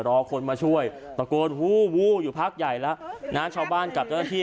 รอคนมาช่วยตะโกนหูวู้อยู่พักใหญ่แล้วนะชาวบ้านกับเจ้าหน้าที่